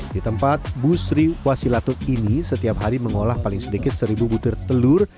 di tempat busri wasilatul ini setiap hari mengolah paling sedikit seribu butir telur